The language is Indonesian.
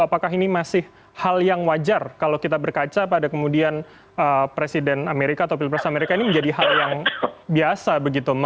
apakah ini masih hal yang wajar kalau kita berkaca pada kemudian presiden amerika atau pilpres amerika ini menjadi hal yang biasa begitu